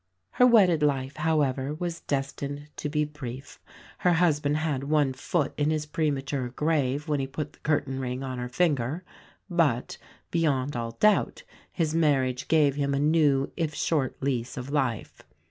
Her wedded life, however, was destined to be brief. Her husband had one foot in his premature grave when he put the curtain ring on her finger; but, beyond all doubt, his marriage gave him a new if short lease of life.